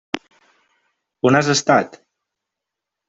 On has estat?